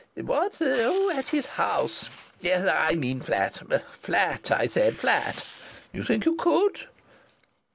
What? Oh! at his house. Yes. I mean flat. Flat! I said flat. You think you could?"